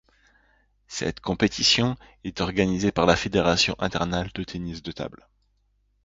Cette compétition est organisée par la fédération internationale de tennis de table.